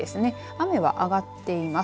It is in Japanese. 雨は上がっています。